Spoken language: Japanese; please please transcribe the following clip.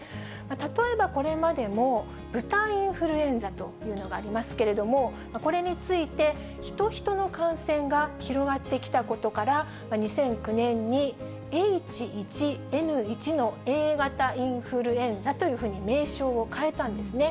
例えば、これまでも豚インフルエンザというのがありますけれども、これについて、ヒトヒトの感染が広がってきたことから、２００９年にＨ１Ｎ１のＡ型インフルエンザというふうに名称を変えたんですね。